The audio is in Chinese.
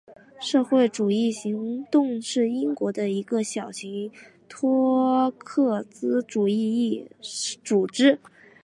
社会主义行动是英国的一个小型托洛茨基主义组织。